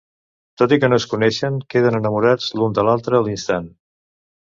Tot i que no es coneixen, queden enamorats l'un de l'altre a l'instant.